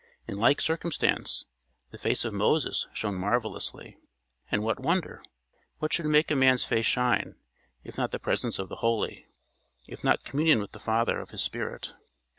In like circumstance, the face of Moses shone marvellously. And what wonder? What should make a man's face shine, if not the presence of the Holy? if not communion with the Father of his spirit?